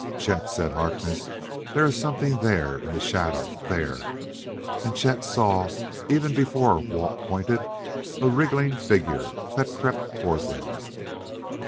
"Chet!" said Harkness, "there is something there in the shadow there!" And Chet saw, even before Walt pointed, a wriggling figure that crept toward them.